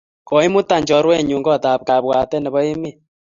Koimutan chorwennyu kot ap kapwatet nepo emet.